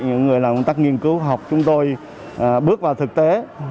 những người làm công tác nghiên cứu khoa học chúng tôi bước vào thực tế